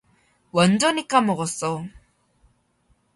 완전히 까먹었어.